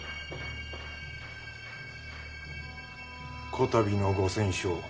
こたびのご戦勝